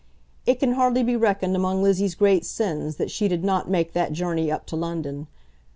It can hardly be reckoned among Lizzie's great sins that she did not make that journey up to London.